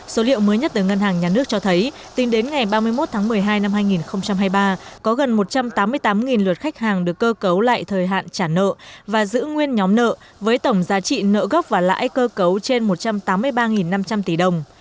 số liệu mới nhất từ ngân hàng nhà nước cho thấy tính đến ngày ba mươi một tháng một mươi hai năm hai nghìn hai mươi ba có gần một trăm tám mươi tám luật khách hàng được cơ cấu lại thời hạn trả nợ và giữ nguyên nhóm nợ với tổng giá trị nợ gốc và lãi cơ cấu trên một trăm tám mươi ba năm trăm linh tỷ đồng